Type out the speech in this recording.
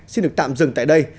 xin được tạm dừng tại đây